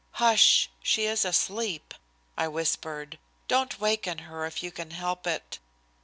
"Hush! She is asleep," I whispered. "Don't waken her if you can help it."